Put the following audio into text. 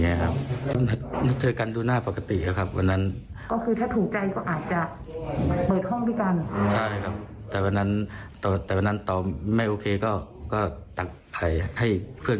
ทำไมต่อไม่โอเคกะว่าจะนอนกัน๓คน